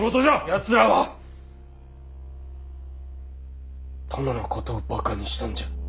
やつらは殿のことをバカにしたんじゃ。